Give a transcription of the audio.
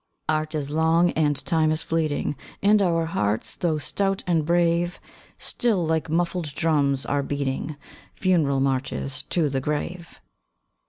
Art is long, and Time is fleeting, And our hearts, though stout and brave, Still, like muffled drums, are beating Funeral marches to the grave.